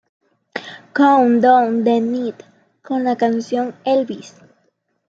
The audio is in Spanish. Countdown de Mnet con la canción "Elvis".